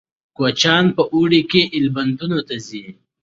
کوچیان په اوړي کې ایلبندونو ته ځي